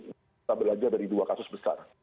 kita belajar dari dua kasus besar